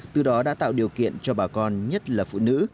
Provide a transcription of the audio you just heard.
từ đó đã tạo điều kiện cho bà con nhất là phụ nữ